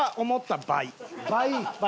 倍？